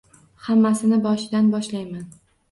Hammasini boshidan boshlayman